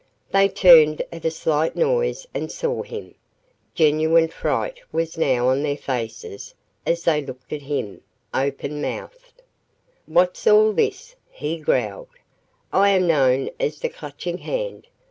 They turned at a slight noise and saw him. Genuine fright was now on their faces as they looked at him, open mouthed. "What's all this?" he growled. "I am known as the Clutching Hand.